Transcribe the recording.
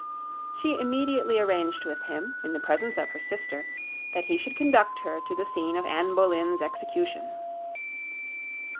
She immediately arranged with him, in the presence of her sister, that he should conduct her to the scene of Anne Boleyn's execution.